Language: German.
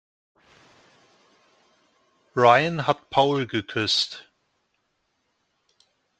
Rayen hat Paul geküsst.